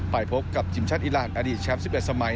ไปพบกับทีมชาติอีรานอดีตแชมป์๑๑สมัย